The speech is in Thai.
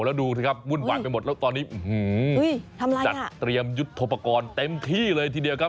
แล้วดูสิครับวุ่นวายไปหมดแล้วตอนนี้จัดเตรียมยุทธโปรกรณ์เต็มที่เลยทีเดียวครับ